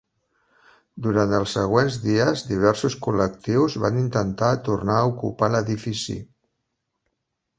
Durant els següents dies diversos col·lectius van intentar tornar a ocupar l'edifici.